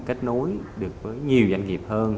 kết nối được với nhiều doanh nghiệp hơn